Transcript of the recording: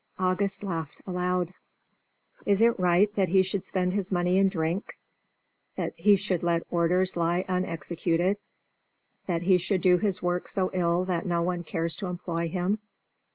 August laughed aloud. "Is it right that he should spend his money in drink? that he should let orders lie unexecuted? that he should do his work so ill that no one cares to employ him?